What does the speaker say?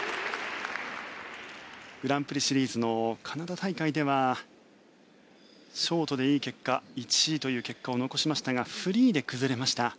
グランプリシリーズのカナダ大会ではショートでいい結果１位という結果を残しましたがフリーで崩れました。